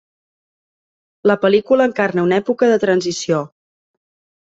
La pel·lícula encarna una època de transició.